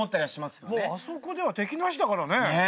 あそこでは敵なしだからね。